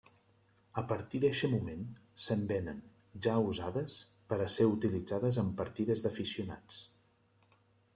A partir d'eixe moment, se'n venen, ja usades, per a ser utilitzades en partides d'aficionats.